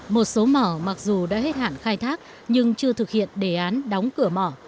một số mỏ mặc dù đã hết hạn khai thác nhưng chưa thực hiện đề án đóng cửa mỏ